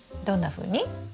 どんなふうに？